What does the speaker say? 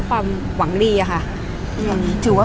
ภาษาสนิทยาลัยสุดท้าย